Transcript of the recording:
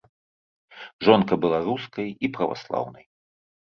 Жонка была рускай і праваслаўнай.